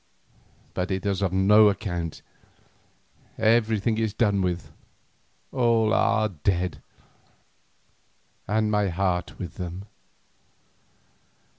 But it is of no account; everything is done with, all are dead, and my heart with them.